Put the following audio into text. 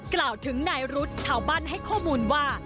กล่าวถึงนายรุธชาวบ้านให้ข้อมูลว่า